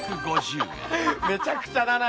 めちゃくちゃだな。